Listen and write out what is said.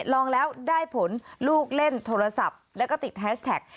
ลองแล้วได้ผลลูกเล่นโทรศัพท์แล้วก็ติดแฮชแท็ก